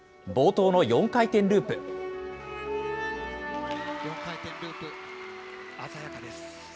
４回転ループ、鮮やかです。